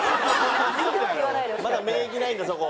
まだ免疫ないんだそこ。